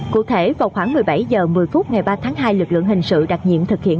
cụ thể vào khoảng một mươi bảy h một mươi phút ngày ba tháng hai lực lượng hình sự đặc nhiệm thực hiện